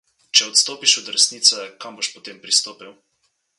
Če odstopiš od resnice, kam boš potem pristopil.